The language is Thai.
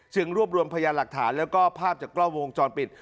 รวบรวมพยานหลักฐานแล้วก็ภาพจากกล้องวงจรปิด